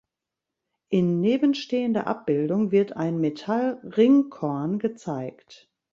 In nebenstehender Abbildung wird ein Metall-Ringkorn gezeigt.